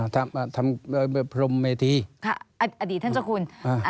ค่ะอดีตท่านเจ้าคุณ